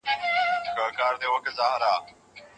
په قلم لیکنه کول د زده کوونکو د وړتیاوو د ښودلو ځای دی.